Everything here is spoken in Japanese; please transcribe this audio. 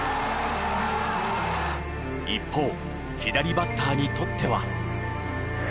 一方左バッターにとっては。